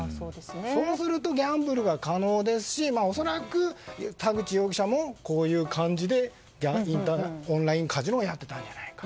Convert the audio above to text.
そうするとギャンブルが可能ですし恐らく、田口容疑者もこういう感じでオンラインカジノをやってたんじゃないか。